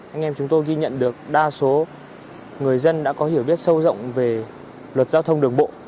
anh em chúng tôi ghi nhận được đa số người dân đã có hiểu biết sâu rộng về luật giao thông đường bộ